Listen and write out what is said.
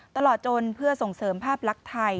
ตลอดจนเพื่อส่งเสริมภาพลักษณ์ไทย